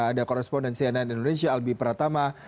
ada korespondensi ann indonesia albi pratama